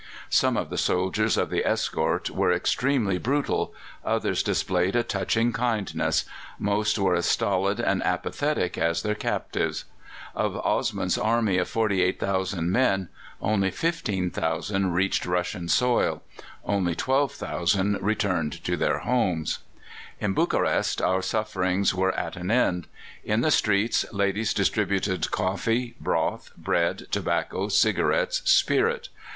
"Some of the soldiers of the escort were extremely brutal; others displayed a touching kindness; most were as stolid and apathetic as their captives. Of Osman's army of 48,000 men, only 15,000 reached Russian soil; only 12,000 returned to their homes. "In Bukarest our sufferings were at an end. In the streets ladies distributed coffee, broth, bread, tobacco, cigarettes, spirit.